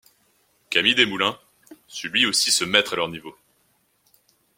Camille Desmoulins sut lui aussi se mettre à leur niveau.